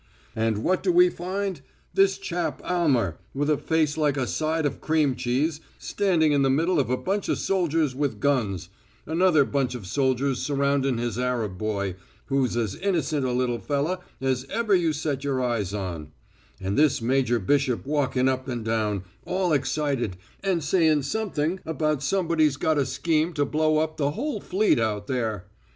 And what do we find? This chap Almer, with a face like a side of cream cheese, standing in the middle of a bunch of soldiers with guns; another bunch of soldiers surroundin' his Arab boy, who's as innocent a little fellah as ever you set eyes on; and this Major Bishop walkin' up and down, all excited, and sayin' something about somebody's got a scheme to blow up the whole fleet out there.